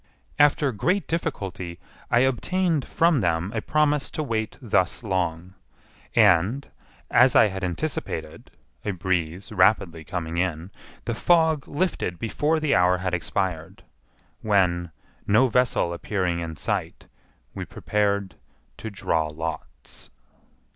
After great difficulty I obtained from them a promise to wait thus long; and, as I had anticipated (a breeze rapidly coming in), the fog lifted before the hour had expired, when, no vessel appearing in sight, we prepared to draw lots.